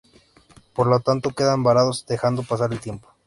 Por lo tanto, quedan varados dejando pasar el tiempo.